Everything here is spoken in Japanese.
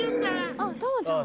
あったまちゃん。